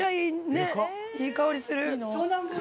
ねっいい香りする！